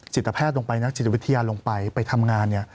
แพทย์ลงไปนักจิตวิทยาลงไปไปทำงาน